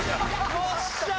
よっしゃー！